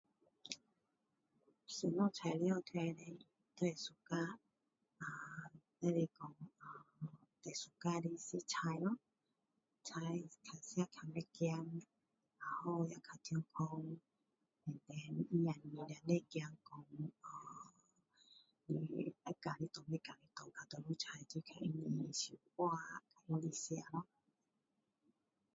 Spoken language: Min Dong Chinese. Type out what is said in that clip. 什么材料都会喜欢啊也就是说最喜欢的就是菜咯菜吃较不会怕然后会比较健康也不用怕说会咬的断不会咬得断啊现今的菜很容易消化拿来吃 ho